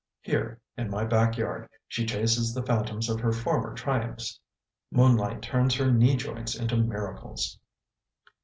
Here, in my back yard, she chases the phantoms of her former triumphs. Moonlight turns her knee joints into miracles!